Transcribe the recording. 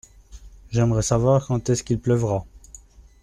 J’aimerais savoir quand est-ce qu’il pleuvra.